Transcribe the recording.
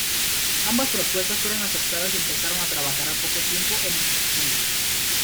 Ambas propuestas fueron aceptadas y empezaron a trabajar al poco tiempo en estos puntos.